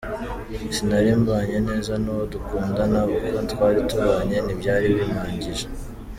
Sinari mbanye neza n’uwo dukundana, uko twari tubanye ntibyari bimpagije”.